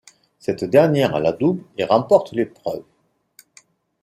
Cette dernière la double et remporte l'épreuve.